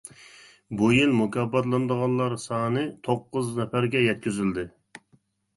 بۇ يىل مۇكاپاتلىنىدىغانلار سانى توققۇز نەپەرگە يەتكۈزۈلدى.